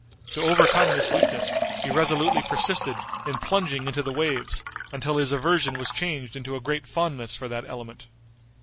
To overcome this weakness, he resolutely persisted in plunging into the waves until his aversion was changed into a great fondness for that element.